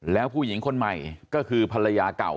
แล้วผู้หญิงคนใหม่ก็คือภรรยาเก่า